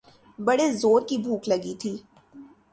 بڑے زورکی بھوک لگی تھی۔